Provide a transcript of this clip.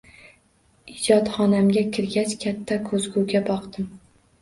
Ijodxonamga kirgach, katta ko`zguga boqdim